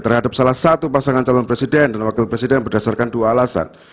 terhadap salah satu pasangan calon presiden dan wakil presiden berdasarkan dua alasan